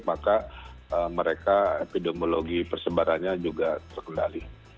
maka mereka epidemiologi persebarannya juga terkendali